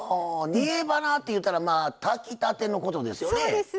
煮えばなっていうたら炊きたてのことですよね。